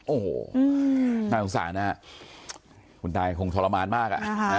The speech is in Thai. โอ้โหน่าสงสารนะคุณตาคงทรมานมาก